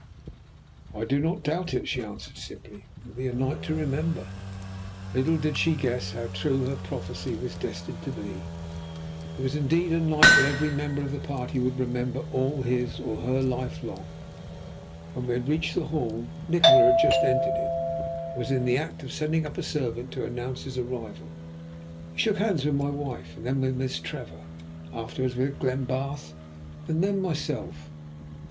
"I do not doubt it," she answered simply. "It will be a night to remember." Little did she guess how true her prophecy was destined to be. It was indeed a night that every member of the party would remember all his, or her, life long. When we had reached the hall, Nikola had just entered it, and was in the act of sending up a servant to announce his arrival. He shook hands with my wife, then with Miss Trevor, afterwards with Glenbarth and myself.